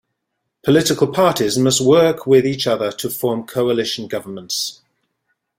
Political parties must work with each other to form coalition governments.